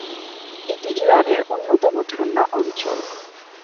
এটি ইরানের অন্যতম ঠান্ডা অঞ্চল।